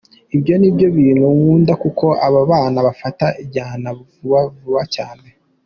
Ibyo ni byo bintu nkunda kuko aba bana bafata injyana vuba vuba cyane.